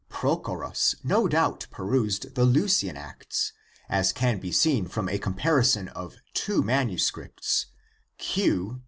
Prochorus no doubt perused the Leucian Acts, as can be seen from a comparison of two manuscripts Q (cod.